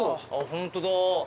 ホントだ。